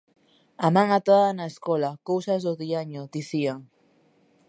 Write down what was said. A man atada na escola, cousas do diaño, dicían.